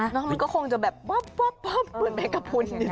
มันก็คงจะแบบวับเหมือนแมงกระพุน